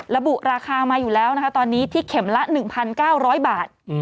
ระบุราคามาอยู่แล้วนะคะตอนนี้ที่เข็มละ๑๙๐๐บาท